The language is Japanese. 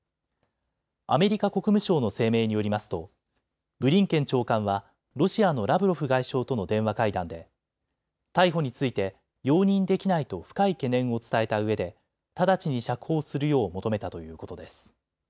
アメリカ国務省の声明によりますとブリンケン長官はロシアのラブロフ外相との電話会談で逮捕について容認できないと深い懸念を伝えたうえで直ちに釈放するよう求めたということです。